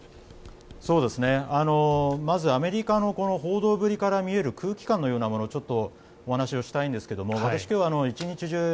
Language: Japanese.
まずアメリカの報道ぶりから見える空気感のようなものをちょっとお話をしたいんですが私今日一日中